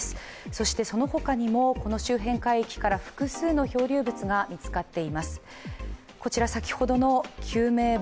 そして、そのほかにもこの周辺海域から複数の漂流物が見つかっています。